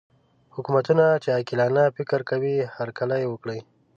حکومتونه چې عاقلانه فکر کوي هرکلی وکړي.